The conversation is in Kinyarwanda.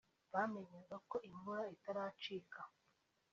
bamenyaga ko imvura itaracika